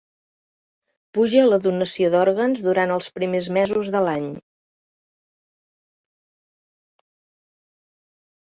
Puja la donació d'òrgans durant els primers mesos de l'any